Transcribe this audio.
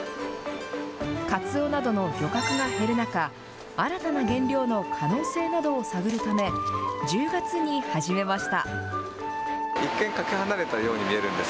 カツオなどの漁獲が減る中、新たな原料の可能性などを探るため、１０月に始めました。